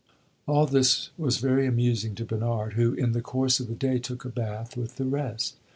All this was very amusing to Bernard, who in the course of the day took a bath with the rest.